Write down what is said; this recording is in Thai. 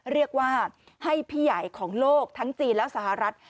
เรียกว่าให้พี่ใหญ่ของโลกทั้งจีนและสหรัฐ